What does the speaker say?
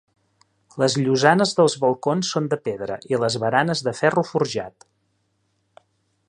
Les llosanes dels balcons són de pedra i les baranes de ferro forjat.